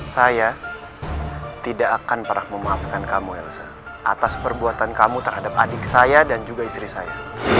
saya tidak akan pernah memaafkan kamu elsa atas perbuatan kamu terhadap adik saya dan juga istri saya